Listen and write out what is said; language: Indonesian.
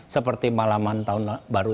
seperti malaman tahun baru